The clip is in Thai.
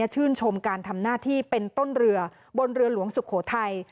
ชื่นชมการทำหน้าที่เป็นต้นเรือบนเรือหลวงสุโขทัย